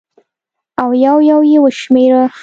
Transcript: او یو یو یې وشمېره